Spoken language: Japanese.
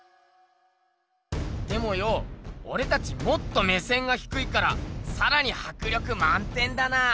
でもよおれたちもっと目線がひくいからさらにはくりょくまん点だなあ！